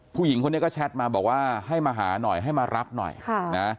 ผู้หญิงคนนี้ก็แชทมาบอกว่าให้มาหาหน่อยให้มารับหน่อยค่ะนะ